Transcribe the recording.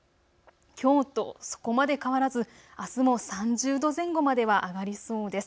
きょうとそこまで変わらずあすも３０度前後までは上がりそうです。